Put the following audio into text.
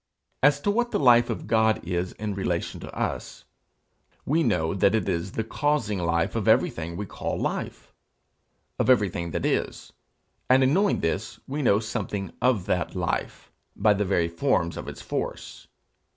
As to what the life of God is in relation to us, we know that it is the causing life of everything that we call life of everything that is; and in knowing this, we know something of that life, by the very forms of its force.